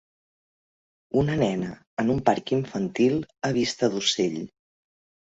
Una nena en un parc infantil a vista d'ocell.